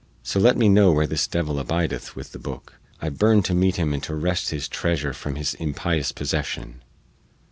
So let me know where this devil abideth with the booke; I burn to meet him and to wrest his treasure from his impious possession."